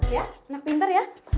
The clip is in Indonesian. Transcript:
ya enak pinter ya